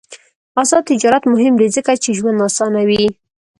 آزاد تجارت مهم دی ځکه چې ژوند اسانوي.